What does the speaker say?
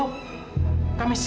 mbak marta mbak marta